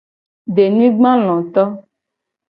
Denyigbaloto.